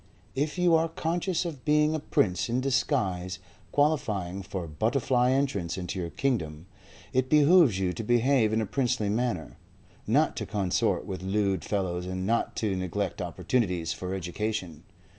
If you are conscious of being a prince in disguise qualifying for butterfly entrance into your kingdom, it behoves you to behave in a princely manner, not to consort with lewd fellows and not to neglect opportunities for education.